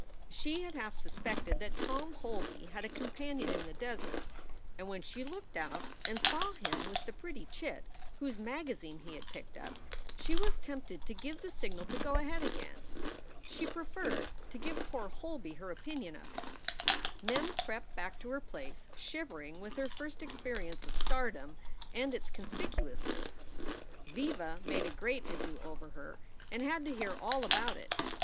She had half suspected that Tom Holby had a companion in the desert, and when she looked out and saw him with the pretty chit whose magazine he had picked up, she was tempted to give the signal to go ahead again. She preferred to give poor Holby her opinion of him. Mem crept back to her place, shivering with her first experi ence of stardom and its conspicuousness. Viva made a great ado over her and had to hear all about it.